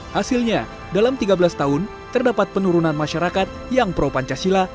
hasilnya dalam tiga belas tahun terdapat penurunan masyarakat yang pro pancasila